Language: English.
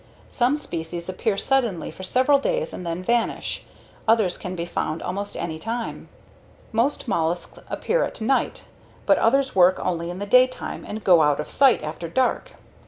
Some species appear suddenly for several days and then vanish; others can be found almost anytime. Most mollusks appear at night, but others work only in the daytime and go out of sight after dark.